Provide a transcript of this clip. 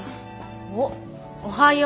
おっおはよう。